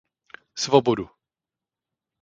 Svobodu.